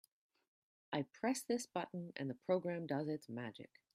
I press this button and the program does its magic.